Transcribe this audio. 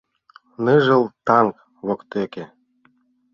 Ныжыл таҥ воктеке